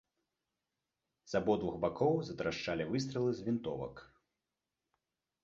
З абодвух бакоў затрашчалі выстралы з вінтовак.